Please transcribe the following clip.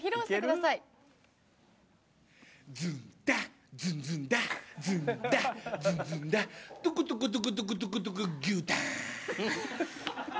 ズンダズンズンダズンダズンズンダトコトコトコトコトコギュウタン！